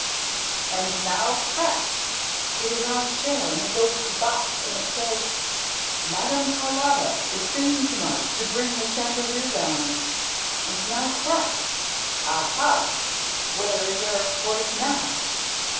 ... And now, crack! It is on a chair in the ghost's box and it says, 'MADAME CARLOTTA IS SINGING TO NIGHT TO BRING THE CHANDELIER DOWN!' ... And now, crack! Aha! Where is Erik's voice now?